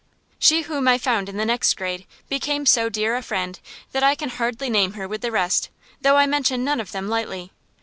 She whom I found in the next grade became so dear a friend that I can hardly name her with the rest, though I mention none of them lightly.